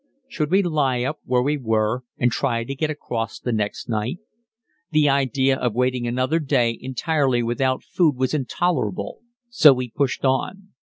Should we lie up where we were and try to get across the next night? The idea of waiting another day entirely without food was intolerable, so we pushed on.